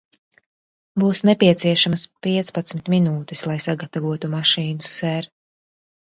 Būs nepieciešamas piecpadsmit minūtes, lai sagatavotu mašīnu, ser.